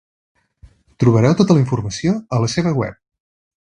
Trobareu tota la informació a la seva web.